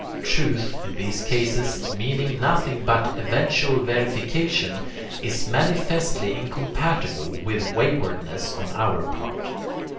Truth, in these cases, meaning nothing but eventual verification, is manifestly incompatible with waywardness on our part.